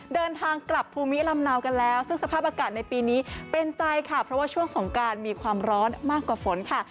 เดินทางกลับภูมิลำเนากันแล้วซึ่งสภาพอากาศในปีนี้เป็นใจค่ะเพราะว่าช่วงสงการมีความร้อนมากกว่าฝนค่ะ